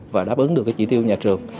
và đáp ứng được cái chỉ tiêu nhà trường